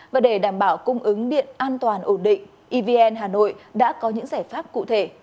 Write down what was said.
và để đảm bảo cung ứng điện an toàn ổn định evn hà nội đã có những giải pháp cụ thể